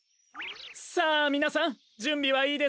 さあみなさんじゅんびはいいですか？